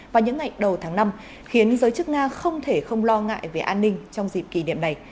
vào những ngày đầu tháng năm khiến giới chức nga không thể không lo ngại về an ninh trong dịp kỷ niệm này